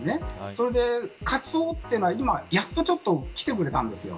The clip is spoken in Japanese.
それでカツオというのは今、やっとちょっときてくれたんです。